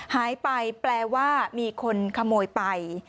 หายไปแปลว่ามีคนขโมยไป